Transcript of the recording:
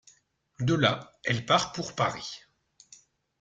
De là, elle part pour Paris.